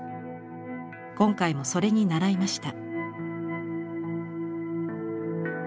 今回もそれに倣いました。